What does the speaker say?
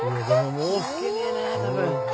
もう吹けねえな多分。